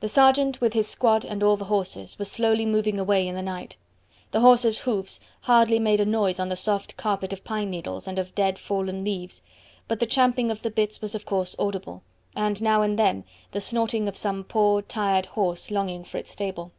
The sergeant, with his squad and all the horses, was slowly moving away in the night. The horses' hoofs hardly made a noise on the soft carpet of pine needles and of dead fallen leaves, but the champing of the bits was of course audible, and now and then the snorting of some poor, tired horse longing for its stable.